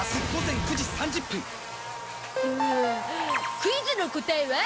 クイズの答えは？